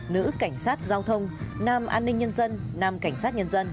nữ cảnh sát giao thông nam an ninh nhân dân nam cảnh sát nhân dân